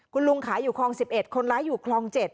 คุณลุงขายอยู่คลอง๑๑คนร้ายอยู่คลอง๗